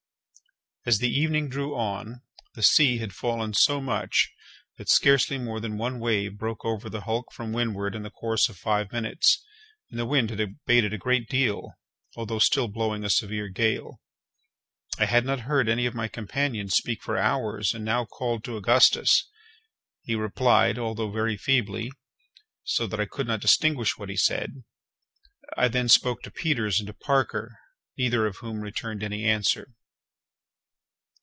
As the evening drew on, the sea had fallen so much that scarcely more than one wave broke over the hulk from windward in the course of five minutes, and the wind had abated a great deal, although still blowing a severe gale. I had not heard any of my companions speak for hours, and now called to Augustus. He replied, although very feebly, so that I could not distinguish what he said. I then spoke to Peters and to Parker, neither of whom returned any answer.